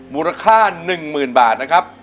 มูลค่า๑๐๐๐บาทนะครับ